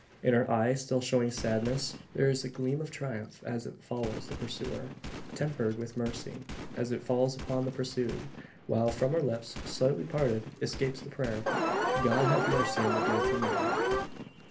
In her eye, still showing sadness, there is a gleam of triumph as it follows the pursuer tempered with mercy, as it falls upon the pursued; while from her lips, slightly parted, escapes the prayer: "God have mercy on the guilty man!"